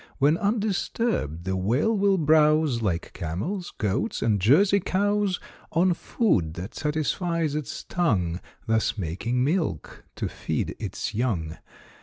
When undisturbed, the Whale will browse Like camels, goats, and Jersey cows, On food that satisfies its tongue, Thus making milk to feed its young.